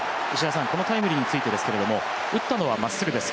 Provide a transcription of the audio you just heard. このタイムリーについてですが打ったのはまっすぐです。